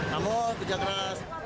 namun kita keras